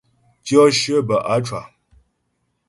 Tyɔ shyə bə á cwa.